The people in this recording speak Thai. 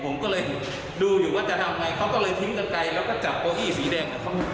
ผมก็เลยดูอยู่ว่าจะทำไงเขาก็เลยทิ้งกันไกลแล้วก็จับเก้าอี้สีแดง